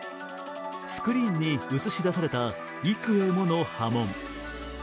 スクリーンに映し出された、幾重もの波紋。